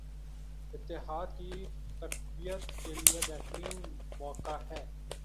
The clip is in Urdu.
اتحاد کی تقویت کیلئے بہترین موقع ہے